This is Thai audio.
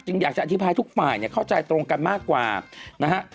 อยากจะอธิบายทุกฝ่ายเนี่ยเข้าใจตรงกันมากกว่านะฮะ